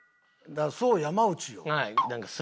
そう山内よ。